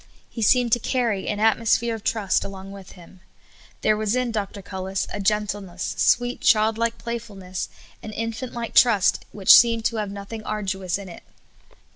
He seemed to carry an at mosphere of trust along with Him. There was in Dr. Cullis a gentleness, sv/eet, child like playfulness and infant like trust which seemed to have nothing arduous in it.